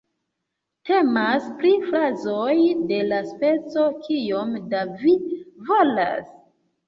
Temas pri frazoj de la speco "Kiom da vi volas?